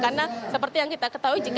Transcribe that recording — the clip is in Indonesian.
karena seperti yang kita ketahui